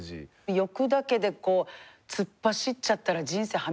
欲だけで突っ走っちゃったら人生破滅する。